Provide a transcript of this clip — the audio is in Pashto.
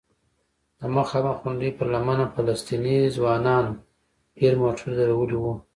د مخامخ غونډۍ پر لمنه فلسطینی ځوانانو ډېر موټر درولي وو.